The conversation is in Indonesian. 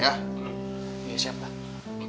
iya siap pak